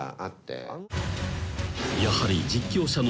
［やはり］